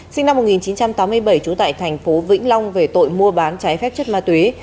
sinh năm một nghìn chín trăm tám mươi bảy chú tại tp vĩnh long về tội mua bán trái phép chất ma tuế